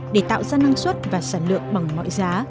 để tạo ra năng suất và sản lượng bằng mọi giá